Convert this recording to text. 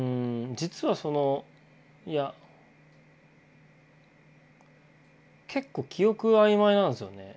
実はそのいや結構記憶は曖昧なんですよね。